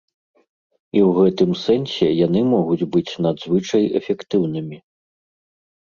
І ў гэтым сэнсе яны могуць быць надзвычай эфектыўнымі.